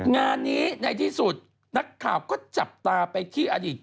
งานนี้ในที่สุดนักข่าวก็จับตาไปที่อดีต